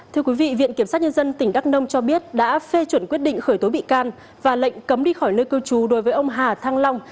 thưa quý vị viện kiểm sát nhân dân tỉnh đắk nông cho biết đã phê chuẩn quyết định khởi tố bị can và lệnh cấm đi khỏi nơi cư trú đối với ông hà thăng long